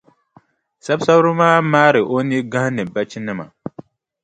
Sasabira maa maari o nii gahindi bachinima.